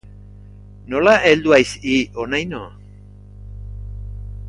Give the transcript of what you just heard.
Nola heldu haiz hi honaino?